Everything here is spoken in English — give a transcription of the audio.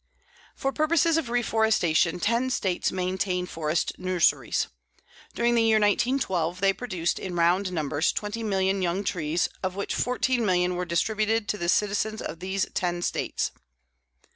For purposes of reforestation, ten States maintain forest nurseries. During the year 1912 they produced in round numbers twenty million young trees, of which fourteen million were distributed to the citizens of these ten States.